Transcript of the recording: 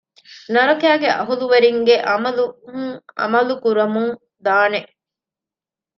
ނަރަކައިގެ އަހުލުވެރިންގެ ޢަމަލުން ޢަމަލު ކުރަމުން ދާނެ